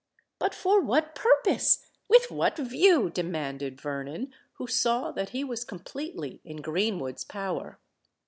"But for what purpose? with what view?" demanded Vernon, who saw that he was completely in Greenwood's power.